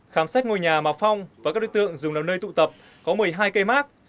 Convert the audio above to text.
khám xét ngôi nhà mà phong và các đối tượng dùng nằm nơi tụ tập có một mươi hai cây mát